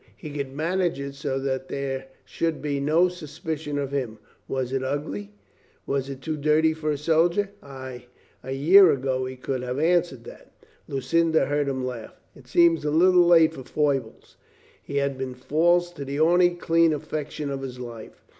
He could manage it so that there should be no suspicion of him. Was it ugly ? Was it too dirty for a soldier? Ay, a year ago he could have answered that ... Lucinda heard him laugh. It seemed a little late for foibles. He had been false to the only clean affection of his life.